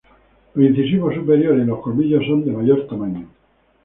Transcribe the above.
Los incisivos superiores y los colmillos son de mayor tamaño.